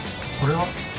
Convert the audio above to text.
これは？